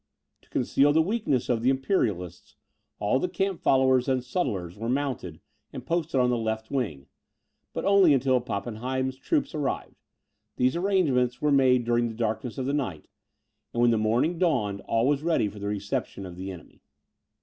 To conceal the weakness of the Imperialists, all the camp followers and sutlers were mounted, and posted on the left wing, but only until Pappenheim's troops arrived. These arrangements were made during the darkness of the night; and when the morning dawned, all was ready for the reception of the enemy.